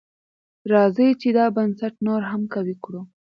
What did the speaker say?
راځئ چې دا بنسټ نور هم قوي کړو.